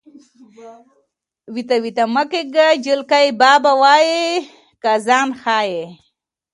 وېته وېته مه کېږه جلکۍ به وایې چې که ځان ښایې.